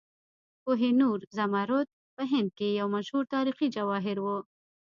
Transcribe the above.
کوه نور زمرد په هند کې یو مشهور تاریخي جواهر و.